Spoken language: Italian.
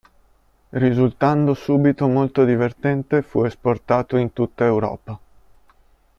Risultando subito molto divertente, fu esportato in tutta Europa.